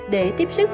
để tiếp xúc